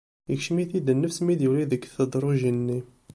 Ikcem-it-id nnefs mi d-yuli deg tedrujin-nni.